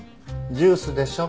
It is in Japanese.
ジュースでしょ。